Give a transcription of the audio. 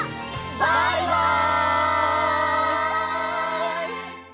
バイバイ！